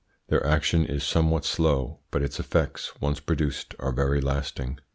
Their action is somewhat slow, but its effects, once produced, are very lasting.